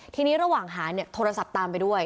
ทีนี้ระหว่างหาเนี่ยโทรศัพท์ตามไปด้วย